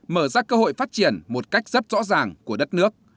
mở ra cơ hội phát triển một cách rất rõ ràng của đất nước